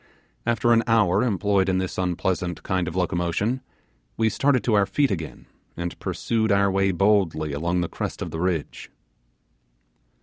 After an hour employed in this unpleasant kind of locomotion, we started to our feet again and pursued our way boldly along the crest of the ridge.